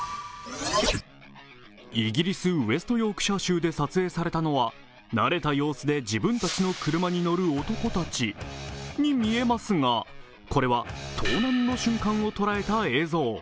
イギリス・ウェストヨークシャー州で撮影されたのは慣れた様子で自分たちの車に乗る男たちに見えますが、これは、盗難の瞬間を捉えた映像。